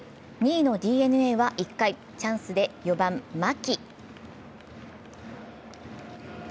２位のＤｅＮＡは１回、チャンスで４番・牧。